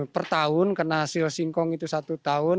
per tahun kena hasil singkong itu satu tahun